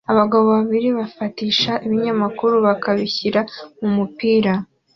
Abagore babiri bafatisha ibinyamakuru bakabishyira mu mupira